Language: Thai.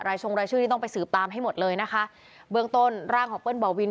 ชงรายชื่อนี้ต้องไปสืบตามให้หมดเลยนะคะเบื้องต้นร่างของเปิ้ลบ่อวิน